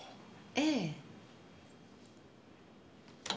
ええ。